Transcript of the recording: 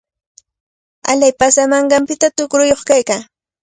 Alalay paasamanqanpita tuqruyuq kaykaa.